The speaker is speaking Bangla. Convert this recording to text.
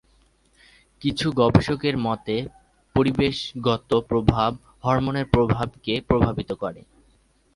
কিছু গবেষকের মতে পরিবেশগত প্রভাব হরমোনের প্রভাব কে প্রভাবিত করে।